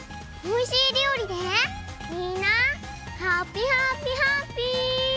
おいしいりょうりでみんなハピハピハッピー！